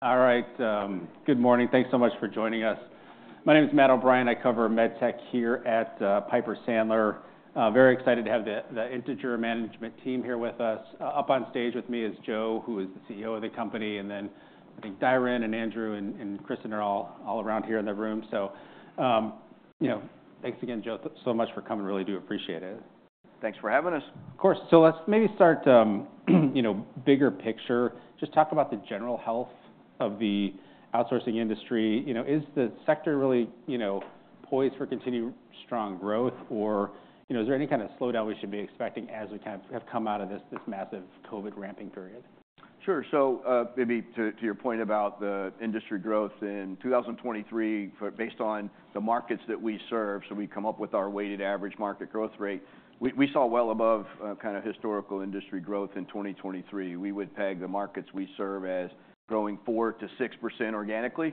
All right. Good morning. Thanks so much for joining us. My name is Matt O'Brien. I cover medtech here at Piper Sandler. Very excited to have the Integer management team here with us. Up on stage with me is Joe, who is the CEO of the company, and then I think Diron and Andrew and Kristen are all around here in the room. So thanks again, Joe, so much for coming. Really do appreciate it. Thanks for having us. Of course. So let's maybe start, you know, bigger picture. Just talk about the general health of the outsourcing industry. Is the sector really poised for continued strong growth, or is there any kind of slowdown we should be expecting as we kind of have come out of this massive COVID ramping period? Sure. So maybe to your point about the industry growth in 2023, based on the markets that we serve, so we come up with our weighted average market growth rate. We saw well above kind of historical industry growth in 2023. We would peg the markets we serve as growing 4%-6% organically.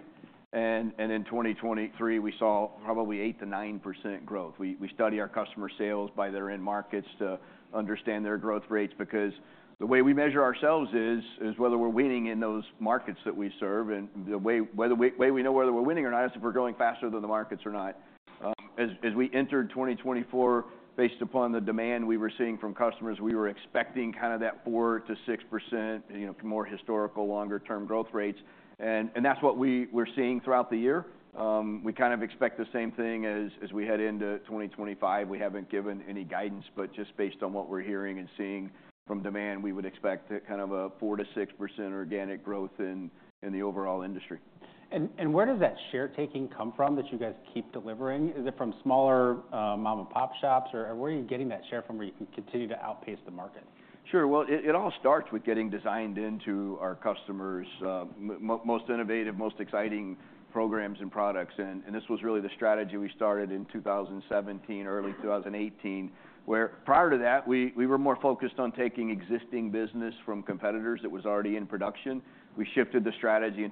And in 2023, we saw probably 8%-9% growth. We study our customer sales by their end markets to understand their growth rates, because the way we measure ourselves is whether we're winning in those markets that we serve. And the way we know whether we're winning or not is if we're growing faster than the markets or not. As we entered 2024, based upon the demand we were seeing from customers, we were expecting kind of that 4%-6%, more historical, longer-term growth rates. And that's what we were seeing throughout the year. We kind of expect the same thing as we head into 2025. We haven't given any guidance, but just based on what we're hearing and seeing from demand, we would expect kind of a 4%-6% organic growth in the overall industry. Where does that share taking come from that you guys keep delivering? Is it from smaller mom-and-pop shops, or where are you getting that share from where you can continue to outpace the market? Sure. Well, it all starts with getting designed into our customers' most innovative, most exciting programs and products. And this was really the strategy we started in 2017, early 2018, where prior to that, we were more focused on taking existing business from competitors that was already in production. We shifted the strategy in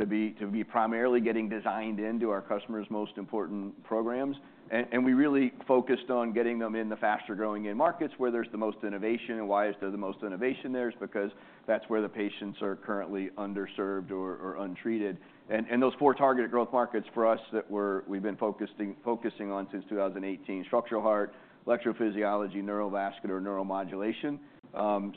2018 to be primarily getting designed into our customers' most important programs. And we really focused on getting them in the faster growing markets where there's the most innovation. And why is there the most innovation? That's because that's where the patients are currently underserved or untreated. And those four targeted growth markets for us that we've been focusing on since 2018: structural heart, electrophysiology, neurovascular, neuromodulation.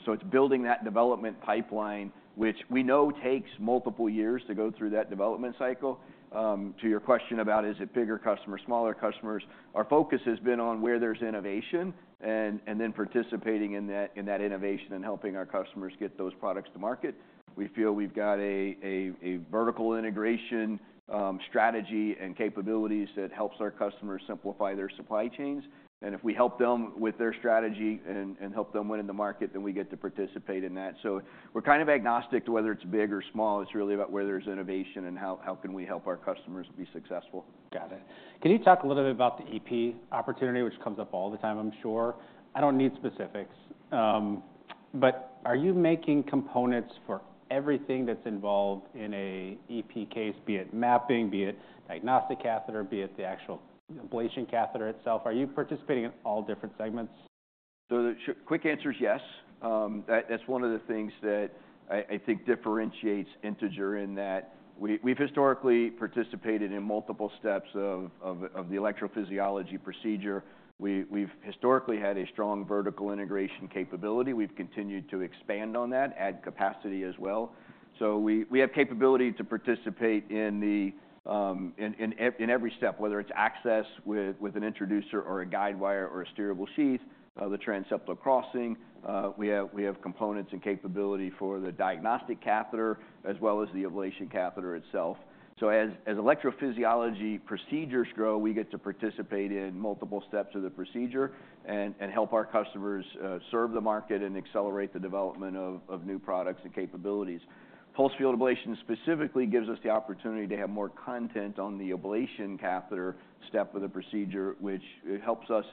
So it's building that development pipeline, which we know takes multiple years to go through that development cycle. To your question about, is it bigger customers, smaller customers, our focus has been on where there's innovation and then participating in that innovation and helping our customers get those products to market. We feel we've got a vertical integration strategy and capabilities that helps our customers simplify their supply chains. And if we help them with their strategy and help them win in the market, then we get to participate in that. So we're kind of agnostic to whether it's big or small. It's really about where there's innovation and how can we help our customers be successful. Got it. Can you talk a little bit about the EP opportunity, which comes up all the time, I'm sure? I don't need specifics. But are you making components for everything that's involved in an EP case, be it mapping, be it diagnostic catheter, be it the actual ablation catheter itself? Are you participating in all different segments? So the quick answer is yes. That's one of the things that I think differentiates Integer in that we've historically participated in multiple steps of the electrophysiology procedure. We've historically had a strong vertical integration capability. We've continued to expand on that, add capacity as well. So we have capability to participate in every step, whether it's access with an introducer or a guidewire or a steerable sheath, the transseptal crossing. We have components and capability for the diagnostic catheter as well as the ablation catheter itself. So as electrophysiology procedures grow, we get to participate in multiple steps of the procedure and help our customers serve the market and accelerate the development of new products and capabilities. Pulsed field ablation specifically gives us the opportunity to have more content on the ablation catheter step of the procedure, which helps us,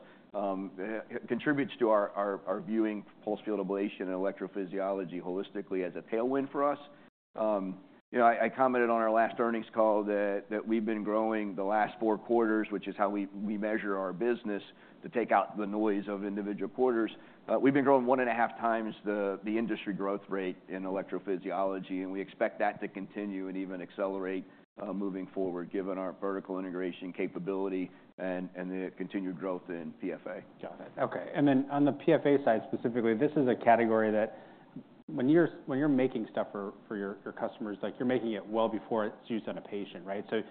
contributes to our viewing pulsed field ablation and electrophysiology holistically as a tailwind for us. I commented on our last earnings call that we've been growing the last four quarters, which is how we measure our business, to take out the noise of individual quarters. We've been growing one and a half times the industry growth rate in electrophysiology, and we expect that to continue and even accelerate moving forward, given our vertical integration capability and the continued growth in PFA. Got it. Okay. And then on the PFA side specifically, this is a category that when you're making stuff for your customers, you're making it well before it's used on a patient, right? So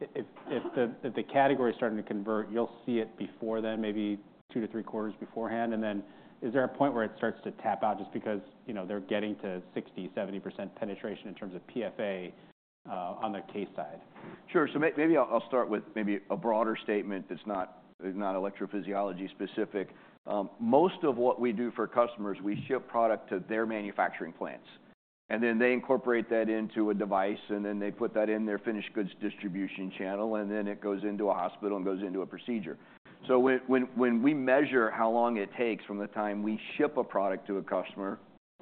if the category is starting to convert, you'll see it before then, maybe two to three quarters beforehand. And then is there a point where it starts to tap out just because they're getting to 60%-70% penetration in terms of PFA on the case side? Sure. So maybe I'll start with maybe a broader statement that's not electrophysiology specific. Most of what we do for customers, we ship product to their manufacturing plants. And then they incorporate that into a device, and then they put that in their finished goods distribution channel, and then it goes into a hospital and goes into a procedure. So when we measure how long it takes from the time we ship a product to a customer,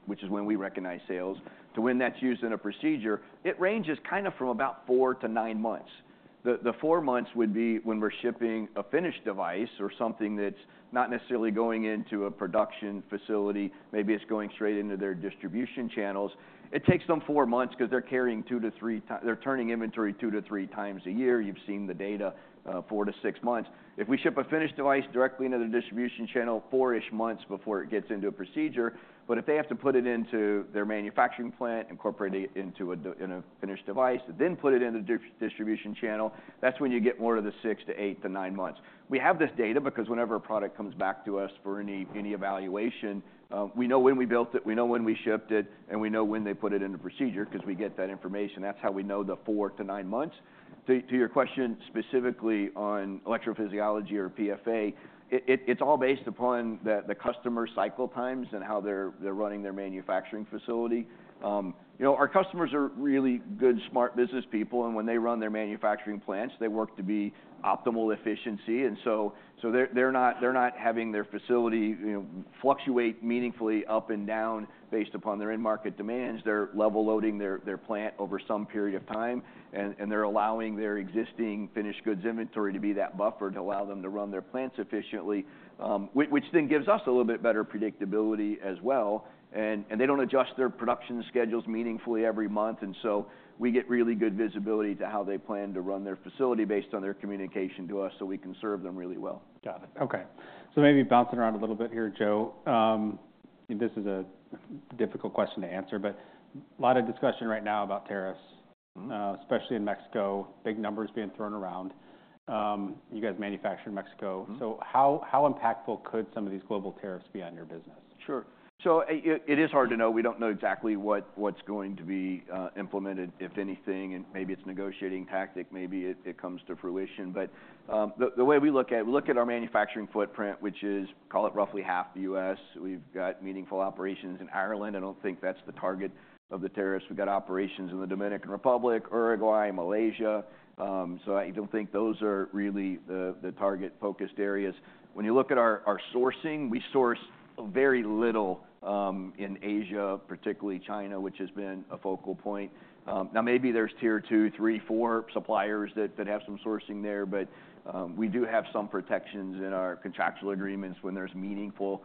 which is when we recognize sales, to when that's used in a procedure, it ranges kind of from about four to nine months. The four months would be when we're shipping a finished device or something that's not necessarily going into a production facility. Maybe it's going straight into their distribution channels. It takes them four months because they're carrying two to three times. They're turning inventory two to three times a year. You've seen the data, four to six months. If we ship a finished device directly into the distribution channel, four-ish months before it gets into a procedure. But if they have to put it into their manufacturing plant, incorporate it into a finished device, then put it into the distribution channel, that's when you get more to the six to eight to nine months. We have this data because whenever a product comes back to us for any evaluation, we know when we built it, we know when we shipped it, and we know when they put it in the procedure because we get that information. That's how we know the 4 - 9 months. To your question specifically on electrophysiology or PFA, it's all based upon the customer cycle times and how they're running their manufacturing facility. Our customers are really good, smart business people. And when they run their manufacturing plants, they work to be optimal efficiency. And so they're not having their facility fluctuate meaningfully up and down based upon their end market demands. They're level loading their plant over some period of time. And they're allowing their existing finished goods inventory to be that buffer to allow them to run their plant sufficiently, which then gives us a little bit better predictability as well. And they don't adjust their production schedules meaningfully every month. And so we get really good visibility to how they plan to run their facility based on their communication to us so we can serve them really well. Got it. Okay. So maybe bouncing around a little bit here, Joe. This is a difficult question to answer, but a lot of discussion right now about tariffs, especially in Mexico, big numbers being thrown around. You guys manufacture in Mexico. So how impactful could some of these global tariffs be on your business? Sure. So it is hard to know. We don't know exactly what's going to be implemented, if anything. And maybe it's negotiating tactic. Maybe it comes to fruition. But the way we look at it, we look at our manufacturing footprint, which is, call it roughly half the U.S. We've got meaningful operations in Ireland. I don't think that's the target of the tariffs. We've got operations in the Dominican Republic, Uruguay, Malaysia. So I don't think those are really the target-focused areas. When you look at our sourcing, we source very little in Asia, particularly China, which has been a focal point. Now, maybe there's tier two, three, four suppliers that have some sourcing there, but we do have some protections in our contractual agreements when there's meaningful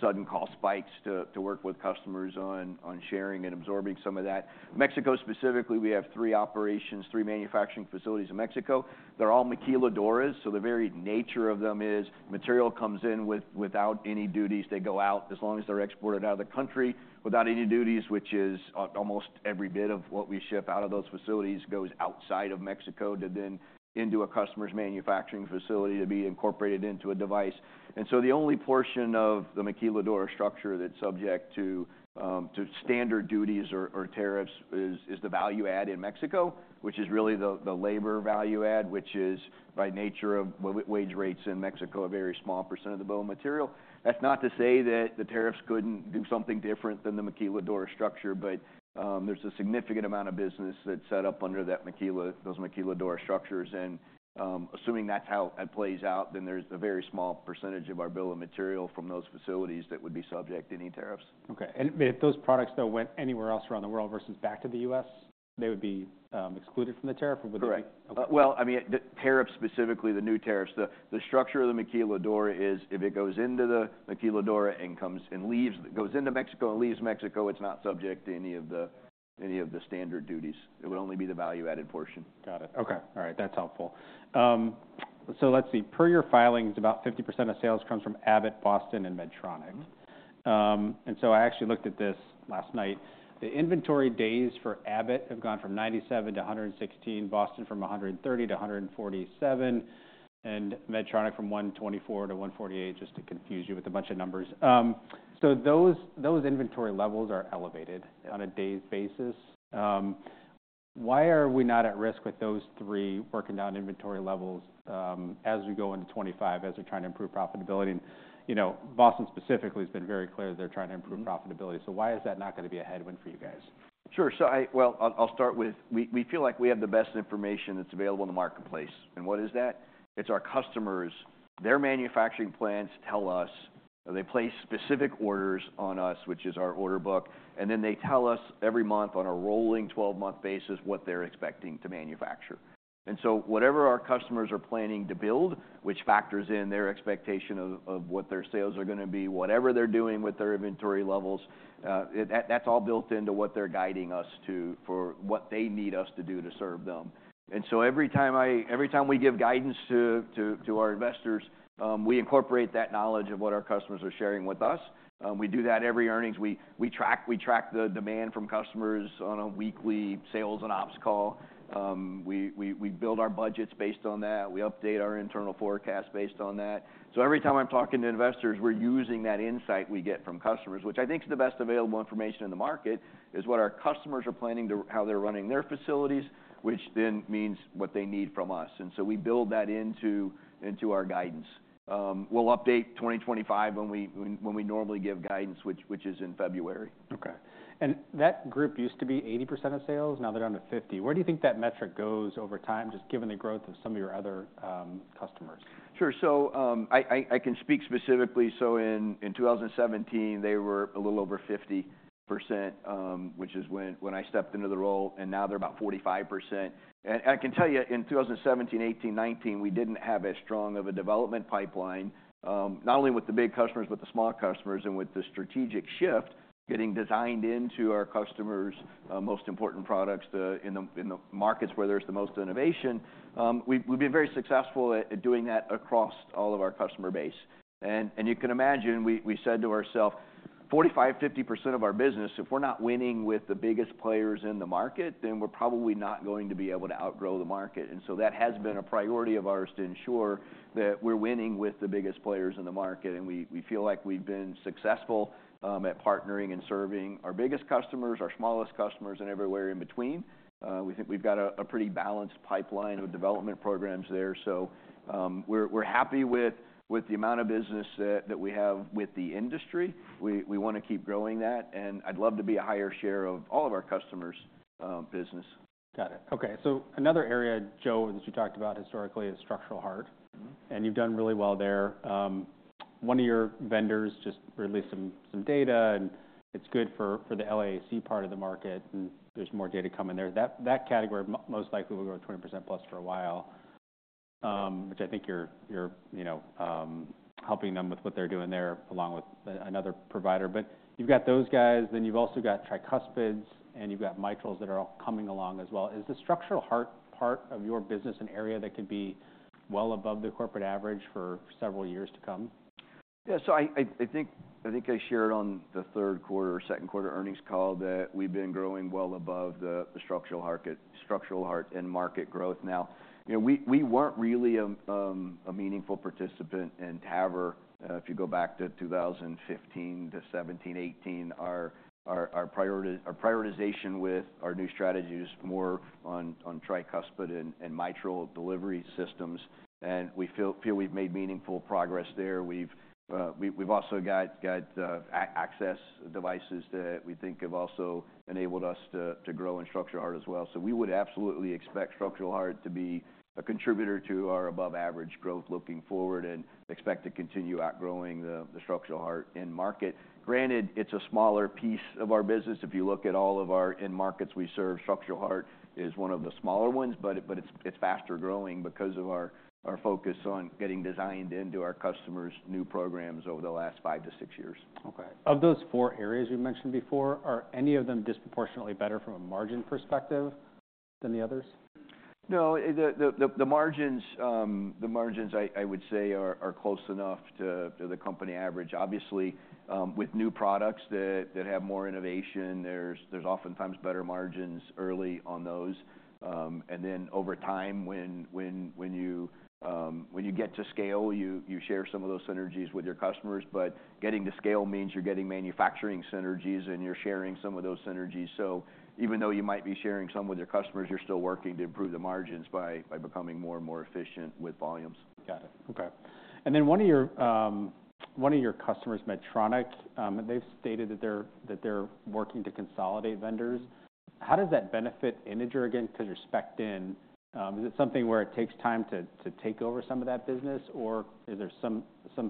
sudden cost spikes to work with customers on sharing and absorbing some of that. Mexico specifically, we have three operations, three manufacturing facilities in Mexico. They're all maquiladoras. So the very nature of them is material comes in without any duties. They go out as long as they're exported out of the country without any duties, which is almost every bit of what we ship out of those facilities goes outside of Mexico to then into a customer's manufacturing facility to be incorporated into a device. And so the only portion of the maquiladora structure that's subject to standard duties or tariffs is the value add in Mexico, which is really the labor value add, which is by nature of wage rates in Mexico, a very small percentage of the BOM. That's not to say that the tariffs couldn't do something different than the maquiladora structure, but there's a significant amount of business that's set up under those maquiladora structures. Assuming that's how it plays out, then there's a very small percentage of our bill of material from those facilities that would be subject to any tariffs. Okay. And if those products, though, went anywhere else around the world versus back to the U.S., they would be excluded from the tariff? Correct, well, I mean, tariffs specifically, the new tariffs, the structure of the maquiladora is if it goes into the maquiladora and leaves, goes into Mexico and leaves Mexico, it's not subject to any of the standard duties. It would only be the value added portion. Got it. Okay. All right. That's helpful. So let's see. Per your filings, about 50% of sales comes from Abbott, Boston, and Medtronic. And so I actually looked at this last night. The inventory days for Abbott have gone from 97 -116, Boston from 130 -147, and Medtronic from 124 - 148, just to confuse you with a bunch of numbers. So those inventory levels are elevated on a days basis. Why are we not at risk with those three working down inventory levels as we go into 2025, as we're trying to improve profitability? And Boston specifically has been very clear that they're trying to improve profitability. So why is that not going to be a headwind for you guys? Sure. Well, I'll start with we feel like we have the best information that's available in the marketplace. And what is that? It's our customers. Their manufacturing plants tell us they place specific orders on us, which is our order book. And then they tell us every month on a rolling 12-month basis what they're expecting to manufacture. And so whatever our customers are planning to build, which factors in their expectation of what their sales are going to be, whatever they're doing with their inventory levels, that's all built into what they're guiding us to for what they need us to do to serve them. And so every time we give guidance to our investors, we incorporate that knowledge of what our customers are sharing with us. We do that every earnings. We track the demand from customers on a weekly sales and ops call. We build our budgets based on that. We update our internal forecast based on that. So every time I'm talking to investors, we're using that insight we get from customers, which I think is the best available information in the market, is what our customers are planning to how they're running their facilities, which then means what they need from us. And so we build that into our guidance. We'll update 2025 when we normally give guidance, which is in February. Okay. And that group used to be 80% of sales. Now they're down to 50%. Where do you think that metric goes over time, just given the growth of some of your other customers? Sure, so I can speak specifically, so in 2017, they were a little over 50%, which is when I stepped into the role, and now they're about 45%, and I can tell you in 2017, 2018, 2019, we didn't have as strong of a development pipeline, not only with the big customers, but the small customers and with the strategic shift getting designed into our customers' most important products in the markets where there's the most innovation. We've been very successful at doing that across all of our customer base, and you can imagine we said to ourselves, 45, 50% of our business, if we're not winning with the biggest players in the market, then we're probably not going to be able to outgrow the market, and so that has been a priority of ours to ensure that we're winning with the biggest players in the market. And we feel like we've been successful at partnering and serving our biggest customers, our smallest customers, and everywhere in between. We think we've got a pretty balanced pipeline of development programs there. So we're happy with the amount of business that we have with the industry. We want to keep growing that. And I'd love to be a higher share of all of our customers' business. Got it. Okay, so another area, Joe, that you talked about historically is structural heart, and you've done really well there. One of your vendors just released some data, and it's good for the LAAC part of the market, and there's more data coming there. That category most likely will go 20% + for a while, which I think you're helping them with what they're doing there along with another provider, but you've got those guys, then you've also got tricuspids, and you've got mitrals that are all coming along as well. Is the structural heart part of your business an area that could be well above the corporate average for several years to come? Yeah. So I think I shared on the third quarter, second quarter earnings call that we've been growing well above the structural heart and market growth. Now, we weren't really a meaningful participant in TAVR if you go back to 2015 to 2017, 2018. Our prioritization with our new strategy is more on tricuspid and mitral delivery systems. And we feel we've made meaningful progress there. We've also got access devices that we think have also enabled us to grow in structural heart as well. So we would absolutely expect structural heart to be a contributor to our above-average growth looking forward and expect to continue outgrowing the structural heart end market. Granted, it's a smaller piece of our business. If you look at all of our end markets we serve, structural heart is one of the smaller ones, but it's faster growing because of our focus on getting designed into our customers' new programs over the last 5 - 6 years. Okay. Of those four areas you mentioned before, are any of them disproportionately better from a margin perspective than the others? No. The margins, I would say, are close enough to the company average. Obviously, with new products that have more innovation, there's oftentimes better margins early on those. And then over time, when you get to scale, you share some of those synergies with your customers. But getting to scale means you're getting manufacturing synergies, and you're sharing some of those synergies. So even though you might be sharing some with your customers, you're still working to improve the margins by becoming more and more efficient with volumes. Got it. Okay. And then one of your customers, Medtronic, they've stated that they're working to consolidate vendors. How does that benefit Integer again because you're specked in? Is it something where it takes time to take over some of that business, or are there some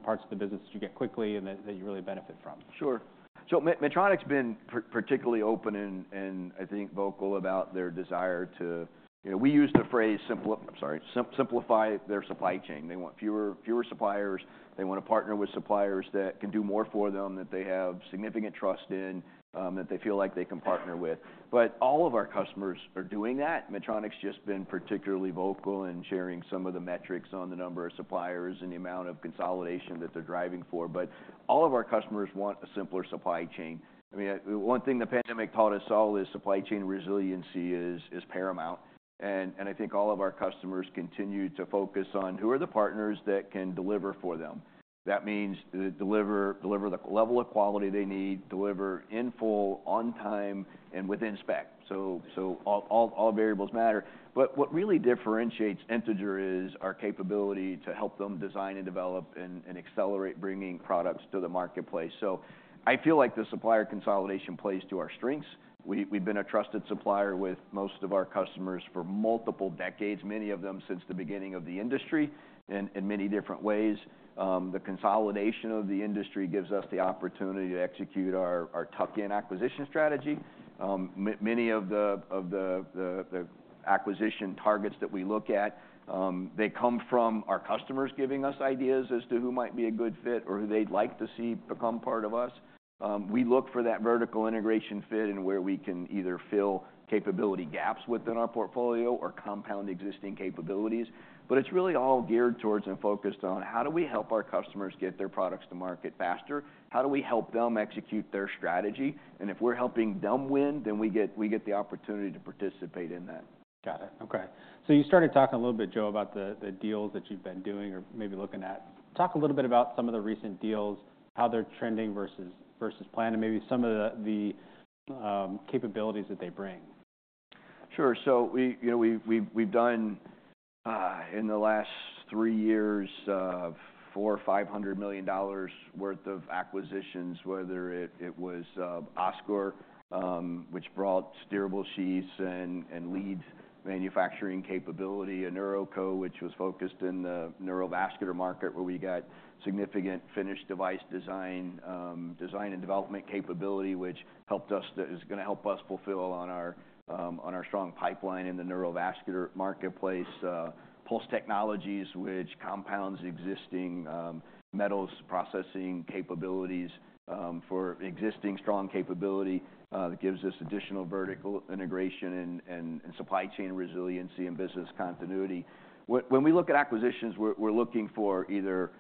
parts of the business that you get quickly and that you really benefit from? Sure. So Medtronic's been particularly open and, I think, vocal about their desire to. We use the phrase. I'm sorry, simplify their supply chain. They want fewer suppliers. They want to partner with suppliers that can do more for them that they have significant trust in, that they feel like they can partner with. But all of our customers are doing that. Medtronic's just been particularly vocal in sharing some of the metrics on the number of suppliers and the amount of consolidation that they're driving for. But all of our customers want a simpler supply chain. I mean, one thing the pandemic taught us all is supply chain resiliency is paramount. And I think all of our customers continue to focus on who are the partners that can deliver for them. That means deliver the level of quality they need, deliver in full, on time, and within spec. So all variables matter. But what really differentiates Integer is our capability to help them design and develop and accelerate bringing products to the marketplace. So I feel like the supplier consolidation plays to our strengths. We've been a trusted supplier with most of our customers for multiple decades, many of them since the beginning of the industry in many different ways. The consolidation of the industry gives us the opportunity to execute our tuck-in acquisition strategy. Many of the acquisition targets that we look at, they come from our customers giving us ideas as to who might be a good fit or who they'd like to see become part of us. We look for that vertical integration fit and where we can either fill capability gaps within our portfolio or compound existing capabilities. But it's really all geared towards and focused on how do we help our customers get their products to market faster? How do we help them execute their strategy? And if we're helping them win, then we get the opportunity to participate in that. Got it. Okay. So you started talking a little bit, Joe, about the deals that you've been doing or maybe looking at. Talk a little bit about some of the recent deals, how they're trending versus planned, and maybe some of the capabilities that they bring. Sure. We've done in the last three years $400 million-$500 million worth of acquisitions, whether it was Oscor, which brought steerable sheaths and lead manufacturing capability, and InNeuroCo, which was focused in the neurovascular market where we got significant finished device design and development capability, which helped us, is going to help us fulfill on our strong pipeline in the neurovascular marketplace. Pulse Technologies, which compounds existing metals processing capabilities for existing strong capability, gives us additional vertical integration and supply chain resiliency and business continuity. When we look at acquisitions, we're looking for either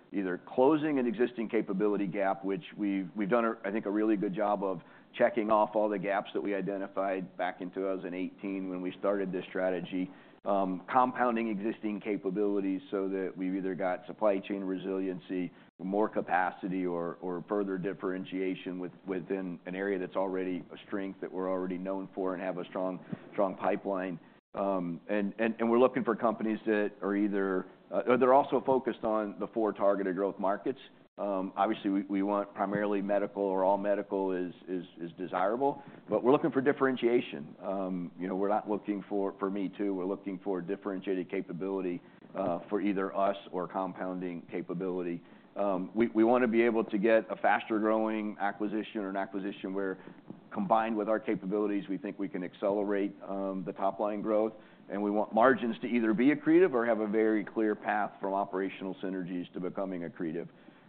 closing an existing capability gap, which we've done, I think, a really good job of checking off all the gaps that we identified back in 2018 when we started this strategy, compounding existing capabilities so that we've either got supply chain resiliency, more capacity, or further differentiation within an area that's already a strength that we're already known for and have a strong pipeline. And we're looking for companies that are either, they're also focused on the four targeted growth markets. Obviously, we want primarily medical or all medical is desirable, but we're looking for differentiation. We're not looking for me-too. We're looking for differentiated capability for either us or compounding capability. We want to be able to get a faster growing acquisition or an acquisition where combined with our capabilities, we think we can accelerate the top line growth. And we want margins to either be accretive or have a very clear path from operational synergies to becoming accretive.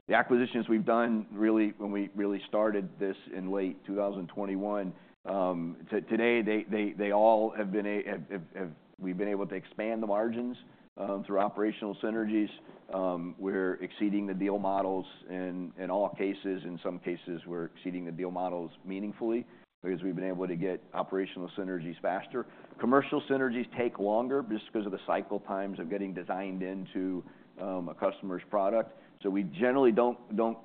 The acquisitions we've done really, when we really started this in late 2021, today they all have been. We've been able to expand the margins through operational synergies. We're exceeding the deal models in all cases. In some cases, we're exceeding the deal models meaningfully because we've been able to get operational synergies faster. Commercial synergies take longer just because of the cycle times of getting designed into a customer's product. So we generally don't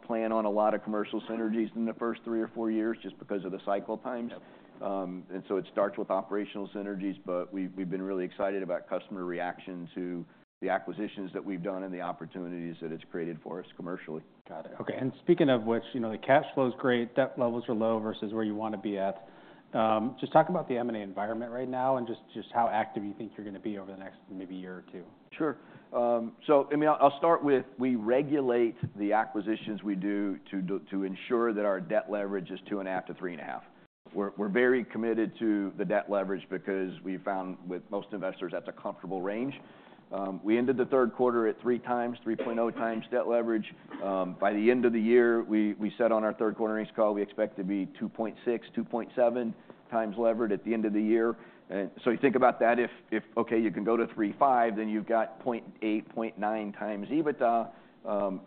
plan on a lot of commercial synergies in the first three or four years just because of the cycle times. And so it starts with operational synergies. But we've been really excited about customer reaction to the acquisitions that we've done and the opportunities that it's created for us commercially. Got it. Okay, and speaking of which, the cash flow is great, debt levels are low versus where you want to be at. Just talk about the M&A environment right now and just how active you think you're going to be over the next maybe year or two. Sure. So I mean, I'll start with we regulate the acquisitions we do to ensure that our debt leverage is 2.5 - 3.5. We're very committed to the debt leverage because we found with most investors that's a comfortable range. We ended the third quarter at three times, 3.0x debt leverage. By the end of the year, we set on our third quarter earnings call, we expect to be 2.6, 2.7x levered at the end of the year. So you think about that. If, okay, you can go to 3.5, then you've got 0.8, 0.9x EBITDA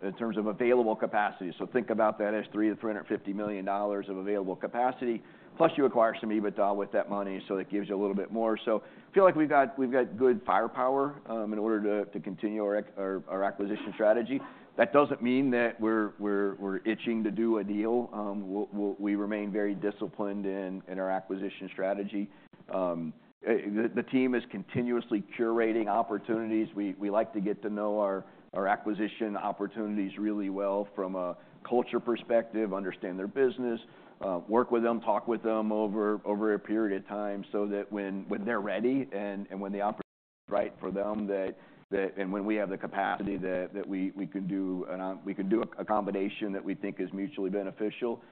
in terms of available capacity. So think about that as $300 million-$350 million of available capacity. Plus, you acquire some EBITDA with that money, so it gives you a little bit more. So I feel like we've got good firepower in order to continue our acquisition strategy. That doesn't mean that we're itching to do a deal. We remain very disciplined in our acquisition strategy. The team is continuously curating opportunities. We like to get to know our acquisition opportunities really well from a culture perspective, understand their business, work with them, talk with them over a period of time so that when they're ready and when the opportunity is right for them and when we have the capacity that we can do a combination that we think is mutually beneficial.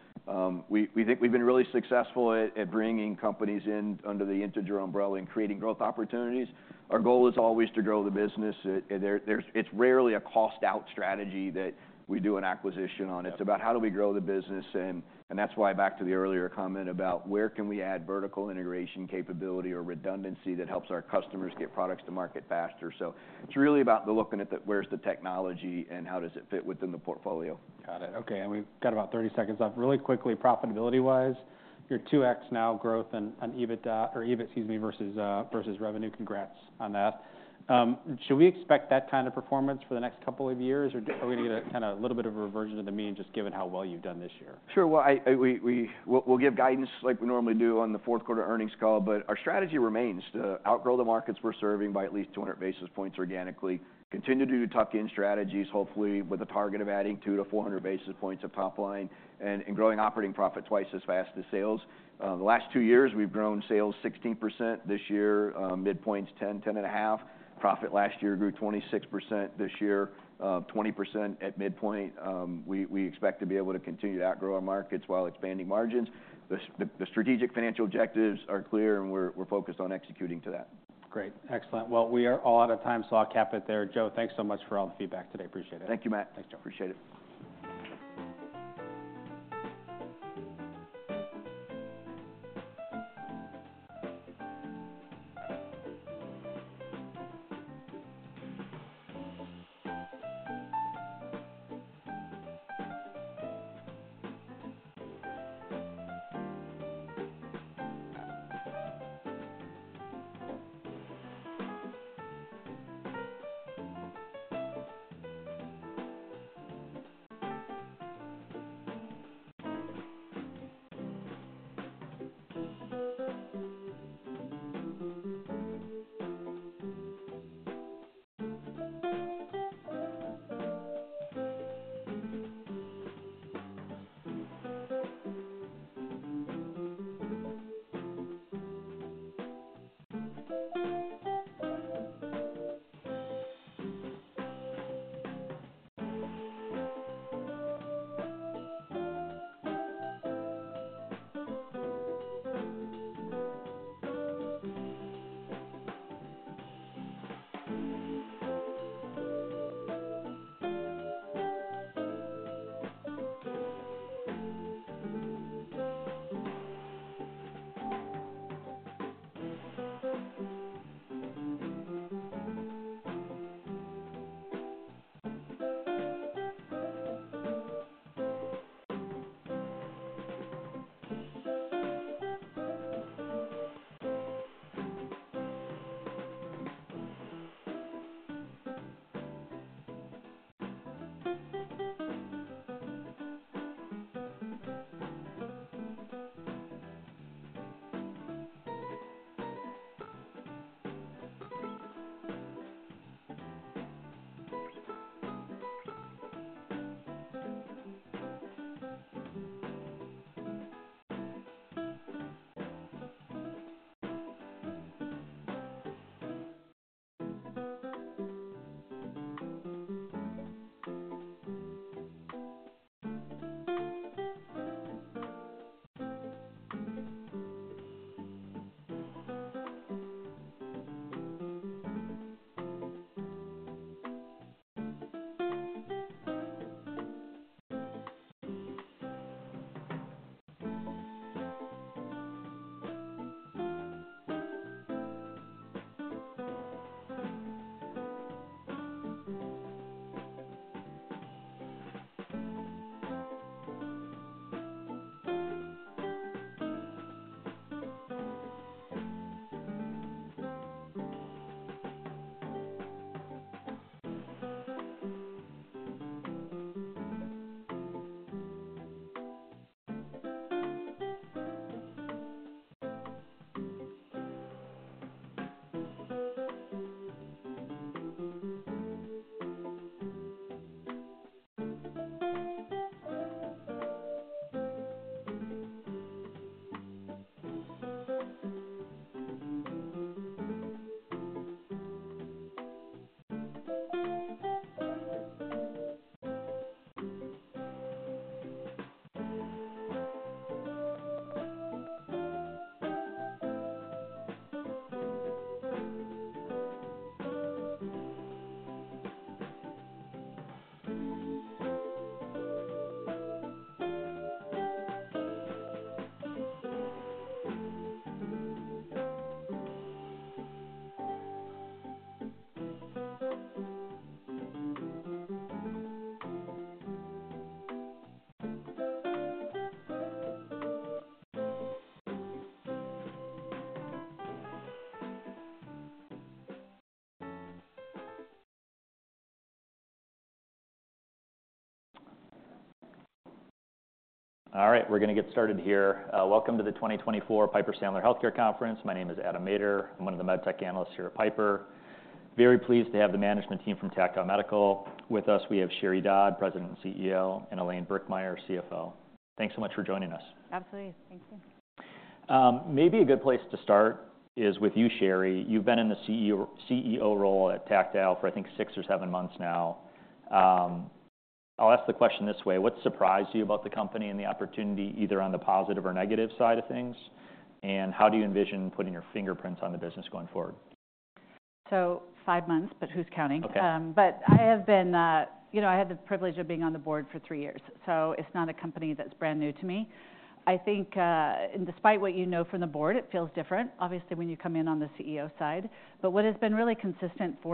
We think we've been really successful at bringing companies under the Integer umbrella and creating growth opportunities. Our goal is always to grow the business. It's rarely a cost-out strategy that we do an acquisition on. It's about how do we grow the business. That's why back to the earlier comment about where can we add vertical integration capability or redundancy that helps our customers get products to market faster. So it's really about looking at where's the technology and how does it fit within the portfolio. Got it. Okay. And we've got about 30 seconds left. Really quickly, profitability-wise, you're 2x now growth on EBITDA or EBIT, excuse me, versus revenue. Congrats on that. Should we expect that kind of performance for the next couple of years, or are we going to get a kind of a little bit of a reversion to the mean just given how well you've done this year? Sure. Well, we'll give guidance like we normally do on the fourth quarter earnings call, but our strategy remains to outgrow the markets we're serving by at least 200 basis points organically, continue to do tuck-in strategies, hopefully with a target of adding 2 to 400 basis points of top line and growing operating profit twice as fast as sales. The last two years, we've grown sales 16%. This year, midpoint's 10, 10 and a half. Profit last year grew 26%. This year, 20% at midpoint. We expect to be able to continue to outgrow our markets while expanding margins. The strategic financial objectives are clear, and we're focused on executing to that. Great. Excellent. We are all out of time, so I'll cap it there. Joe, thanks so much for all the feedback today. Appreciate it. Thank you, Matt. Thanks, Joe. Appreciate it. All right. We're going to get started here. Welcome to the 2024 Piper Sandler Healthcare Conference. My name is Adam Maeder. I'm one of the medtech analysts here at Piper. Very pleased to have the management team from Tactile Medical. With us, we have Sheri Dodd, President and CEO, and Elaine Birkenmeier, CFO. Thanks so much for joining us. Absolutely. Thank you. Maybe a good place to start is with you, Sherry. You've been in the CEO role at Tactile for, I think, six or seven months now. I'll ask the question this way. What surprised you about the company and the opportunity, either on the positive or negative side of things? And how do you envision putting your fingerprints on the business going forward? So five months, but who's counting? Okay. But I had the privilege of being on the board for three years. So it's not a company that's brand new to me. I think, and despite what you know from the board, it feels different, obviously, when you come in on the CEO side. But what has been really consistent for.